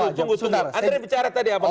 sebentar antaranya bicara tadi abang